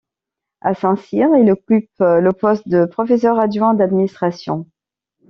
À Saint Cyr, il occupe le poste de professeur adjoint d'administration.